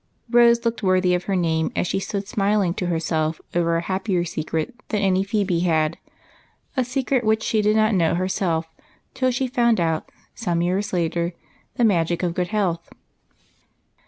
Rose looked worthy of her name as she stood smiling to herself over a happier secret than any Phebe had, — a secret which she did not know herself till she found out, some years later, the magic of good health.